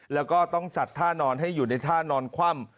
แล้วก็ต้องจัดท่านอนให้อยู่ในท่านอนคว่ำ